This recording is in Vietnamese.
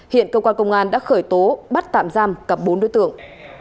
hiện công an đã khởi tố bắt tạm giam cặp bốn đối tượng